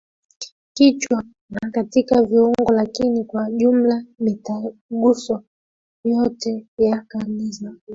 kichwa na katika viungo Lakini kwa jumla mitaguso yote ya Karne za